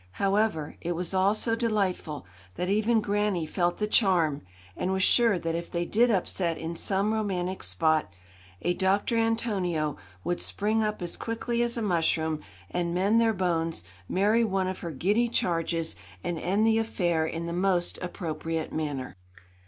However, it was all so delightful that even Granny felt the charm, and was sure that if they did upset in some romantic spot, a Doctor Antonio would spring up as quickly as a mushroom, and mend their bones, marry one of her giddy charges, and end the affair in the most appropriate manner.